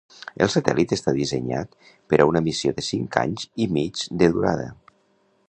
El satèl·lit està dissenyat per a una missió de cinc anys i mig de durada.